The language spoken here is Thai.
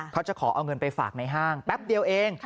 เขาจะขอเอาเงินไปฝากในห้างแป๊บเดียวเอง